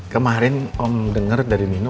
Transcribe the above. kemarin om dengar dari nino